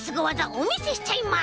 おみせしちゃいます！